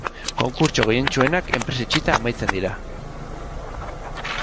Konkurtso gehientsuenak enpresa itxita amaitzen dira.